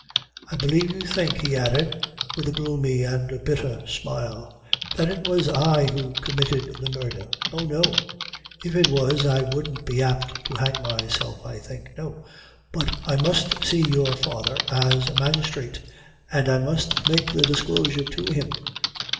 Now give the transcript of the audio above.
"I believe you think," he added, with a gloomy and a bitter smile, "that it was I who committed the murdher; oh no! if it was, I wouldn't be apt to hang myself, I think. No! but I must see your father, as a magistrate; an' I must make the disclosure to him.